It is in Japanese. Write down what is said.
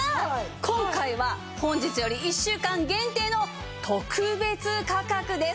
今回は本日より１週間限定の特別価格です！